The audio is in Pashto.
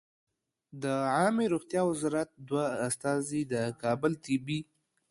د عامې روغتیا وزارت دوه استازي د کابل طبي